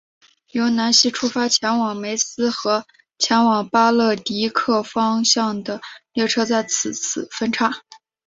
由南锡出发前往梅斯和前往巴勒迪克方向的列车在此分岔。